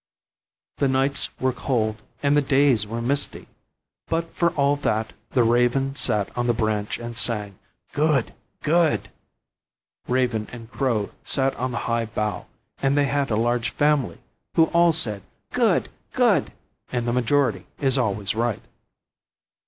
The nights were cold and the days were misty; but, for all that, the raven sat on the branch and sang, "Good! good!" Raven and crow sat on the high bough; and they had a large family, who all said, "Good! good!" and the majority is always right.